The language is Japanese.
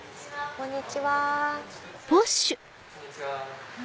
こんにちは。